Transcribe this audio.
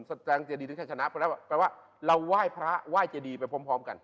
แสดงเจดีถึงชัยชนะเพราะแล้วแปลว่าเราไหว้พระไหว้เจดีไปพร้อมกัน